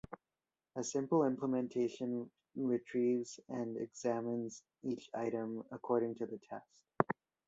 A simple implementation retrieves and examines each item according to the test.